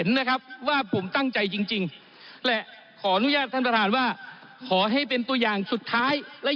ท่านต้องจะเป็นพลลาศหรือจะเป็นวีระบะหลุดครับ